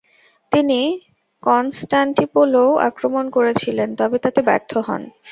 তিনি কনস্টান্টিনোপলও আক্রমণ করেছিলেন তবে তাতে ব্যর্থ হন।